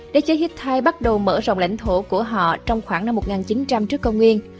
đế chế hittite bắt đầu mở rộng lãnh thổ của họ trong khoảng năm một nghìn chín trăm linh trước công nguyên